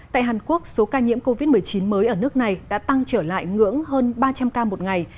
tại hàn quốc số ca nhiễm covid một mươi chín mới ở nước này đã tăng trở lại ngưỡng hơn ba trăm linh ca một ngày